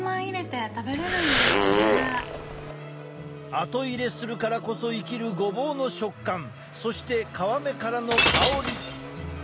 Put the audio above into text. あと入れするからこそ生きるごぼうの食感そして皮目からの香り！